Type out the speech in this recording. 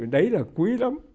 đấy là quý lắm